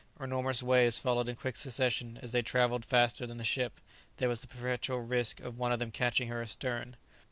Enormous waves followed in quick succession, and as they travelled faster than the ship, there was the perpetual risk of one of them catching her astern.